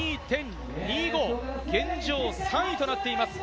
現状３位となっています。